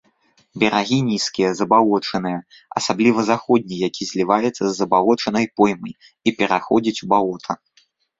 Берагі нізкія, забалочаныя, асабліва заходні, які зліваецца з забалочанай поймай і пераходзіць у балота.